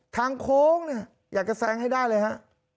ทางโค้งเนี่ยอยากจะแซงให้ได้เลยฮะ